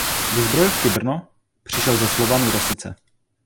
Do Zbrojovky Brno přišel ze Slovanu Rosice.